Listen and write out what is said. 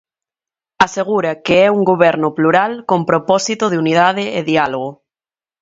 Asegura que é un Goberno plural con propósito de unidade e diálogo.